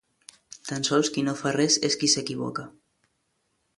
Tan sols qui no fa res és qui s'equivoca.